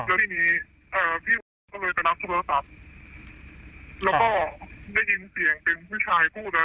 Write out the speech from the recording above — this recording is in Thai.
แล้วทีนี้เอ่อพี่อุ๋ยก็เลยไปรับโทรศัพท์แล้วก็ได้ยินเสียงเป็นผู้ชายพูดอ่ะ